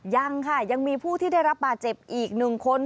ยังค่ะยังมีผู้ที่ได้รับบาดเจ็บอีกหนึ่งคน